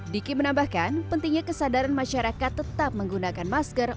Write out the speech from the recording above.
diki menambahkan pentingnya kesadaran masyarakat tetap menggunakan masker